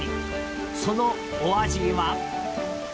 そのお味は。